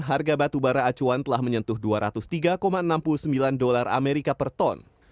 harga batubara acuan telah menyentuh dua ratus tiga enam puluh sembilan dolar amerika per ton